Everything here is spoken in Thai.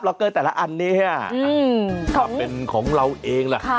ล็อกเกอร์แต่ละอันนี้ฮะอืมถ้าเป็นของเราเองล่ะค่ะ